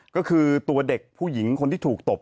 ก็คือตัวเด็กผู้หญิงคนที่ถูกตบ